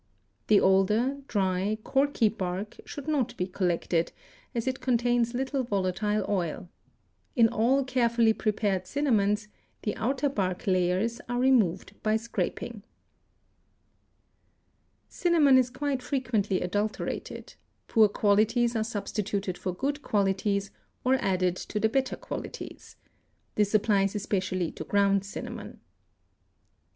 The older, dry, corky bark should not be collected, as it contains little volatile oil. In all carefully prepared cinnamons the outer bark layers are removed by scraping. Cinnamon is quite frequently adulterated; poor qualities are substituted for good qualities or added to the better qualities. This applies especially to ground cinnamon.